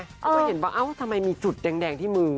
เขาก็เห็นว่าเอ้าทำไมมีจุดแดงที่มือ